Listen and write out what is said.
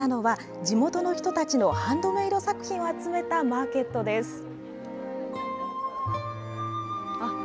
この日、開かれていたのは、地元の人たちのハンドメード作品を集めたマーケットです。